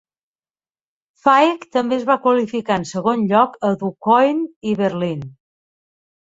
Fike també es va qualificar en segon lloc a DuQuoin i Berlín.